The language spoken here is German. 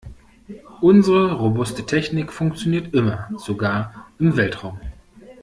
Unsere robuste Technik funktioniert immer, sogar im Weltraum.